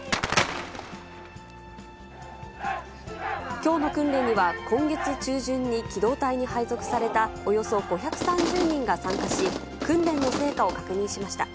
きょうの訓練には、今月中旬に機動隊に配属されたおよそ５３０人が参加し、訓練の成果を確認しました。